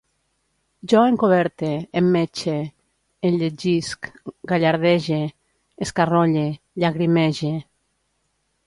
Jo encoberte, emmetxe, enlletgisc, gallardege, escarrolle, llagrimege